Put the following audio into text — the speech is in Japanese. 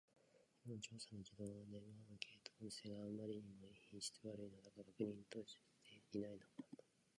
世論調査の自動電話アンケート音声があまりにも品質悪いのだが、確認とかしていないのか